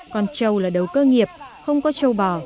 con châu là đầu cơ nghiệp không có châu bò